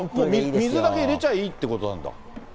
水だけ入れちゃえばいいっていうことなんだ。